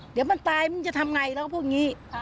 เดี๋ยวมันตายมึงจะทำไงแล้วก็พวกนี้